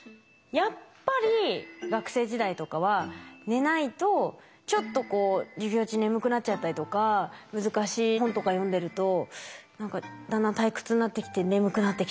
やっぱり学生時代とかは寝ないとちょっとこう授業中眠くなっちゃったりとか難しい本とか読んでると何かだんだん退屈になってきて眠くなってきたりとか。